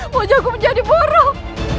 wajahku menjadi borong